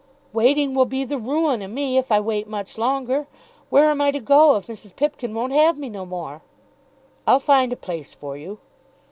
"Waiting will be the ruin o' me, if I wait much longer. Where am I to go, if Mrs. Pipkin won't have me no more?" "I'll find a place for you."